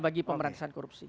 bagi pemberantasan korupsi